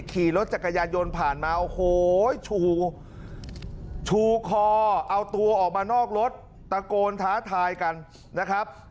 ขี่รถจักรยานยนต์ผ่านมาโอ้โหชูชูคอเอาตัวออกมานอกรถตะโกนท้าทายกันนะครับ